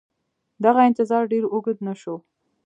دغه انتظار ډېر اوږد نه شو.